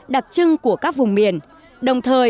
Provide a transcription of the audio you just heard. đặc trưng của các vùng miền